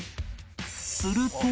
すると